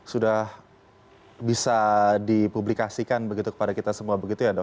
sudah bisa dipublikasikan begitu kepada kita semua begitu ya dok